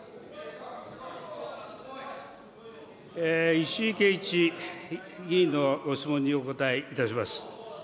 石井啓一議員のご質問にお答えいたします。